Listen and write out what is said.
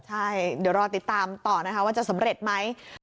ใช่เดี๋ยวรอติดตามต่อนะคะว่าจะสำเร็จไหม